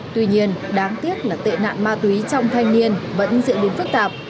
tuy nhiên đáng tiếc là tệ nạn ma tí trong thanh niên vẫn dịu đến phức tạp